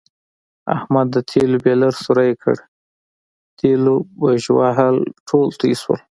احمد د تېلو بیلر سوری کړ، تېلو بژوهل ټول تویې شول.